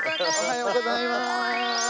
おはようございまーす。